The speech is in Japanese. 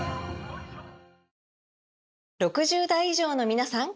６０代以上のみなさん！